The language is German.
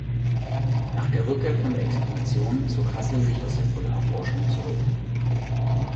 Nach der Rückkehr von der Expedition zog Hassel sich aus der Polarforschung zurück.